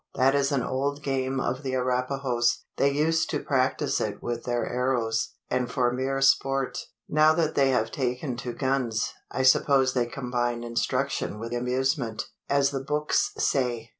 that is an old game of the Arapahoes. They used to practise it with their arrows, and for mere sport. Now that they have taken to guns, I suppose they combine instruction with amusement, as the books say.